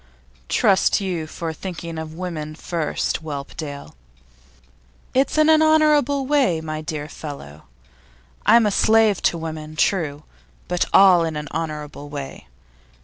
'Trust you for thinking of women first, Whelpdale.' 'It's in an honourable way, my dear fellow. I'm a slave to women, true, but all in an honourable way.